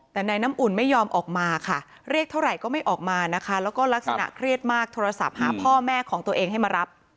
แต่นายน้ำอุ่นไม่ยอมออกมาค่ะเรียกเท่าไหร่ก็ไม่ออกมานะคะแล้วก็ลักษณะเครียดมากโทรศัพท์หาพ่อแม่ของตัวเองให้มารับ